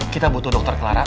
kita butuh dokter clara